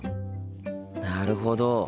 なるほど。